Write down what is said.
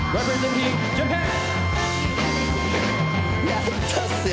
やったっすよ